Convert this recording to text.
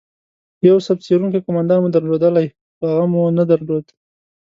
یو صف څیرونکی قومندان مو درلودلای، خو هغه مو نه درلود.